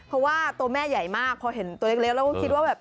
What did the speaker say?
เพราะว่าตัวแม่ใหญ่มากพอเห็นตัวเล็กแล้วก็คิดว่าแบบ